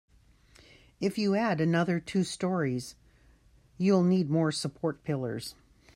If you add another two storeys, you'll need more support pillars.